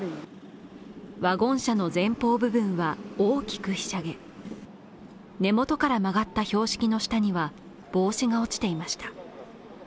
ワゴン車の前方部分は大きくひしゃげ、根元から曲がった標識の下には帽子が落ちていました。